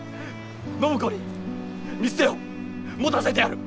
暢子に店を持たせてやる！